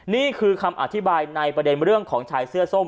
นี่คือคำอธิบายในประเด็นเรื่องของชายเสื้อส้ม